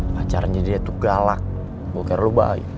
pacarnya dia tuh galak gue kira lo bahaya